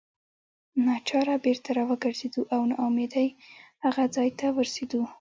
ناچاره بیرته راوګرځېدو او نا امیدۍ هغه ځای ته ورسېدو.